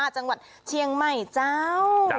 จังหวัดเชียงใหม่เจ้า